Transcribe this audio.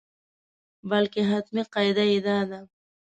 بلکې حتمي قاعده یې دا ده.